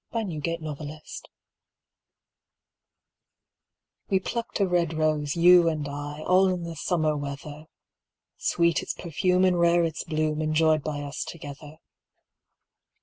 A GIRL'S AUTUMN REVERIE We plucked a red rose, you and I, All in the summer weather; Sweet its perfume and rare its bloom, Enjoyed by us together.